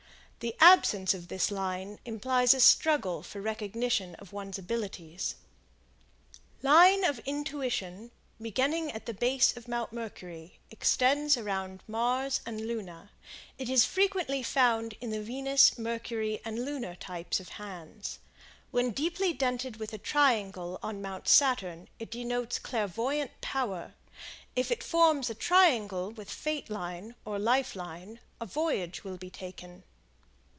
The absence of this line implies a struggle for recognition of one's abilities. Line of Intuition, beginning at base of Mount Mercury, extends around Mars and Luna; it is frequently found in the Venus, Mercury and Lunar types of hands; when deeply dented with a triangle on Mount Saturn it denotes clairvoyant power; if it forms a triangle with Fate Line, or Life Line, a voyage will be taken.